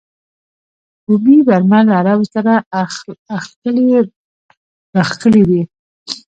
بومي بربر له عربو سره اخښلي راخښلي دي.